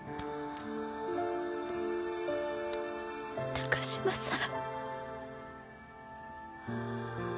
高嶋さん。